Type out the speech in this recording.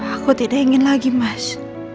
aku tidak ingin lagi mas